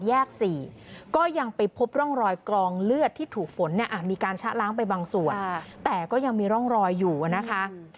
๔ก็ยังไปพบร่องรอยกรองเลือดที่ถูกฝนเนี่ยมีการชะล้างไปบางส่วนแต่ก็ยังมีร่องรอยอยู่นะคะ